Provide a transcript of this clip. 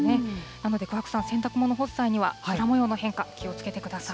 なので桑子さん、洗濯物を干す際には、空もようの変化、気をつけてください。